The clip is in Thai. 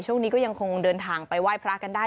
ช่วงนี้ก็ยังคงเดินทางไปไหว้พระกันได้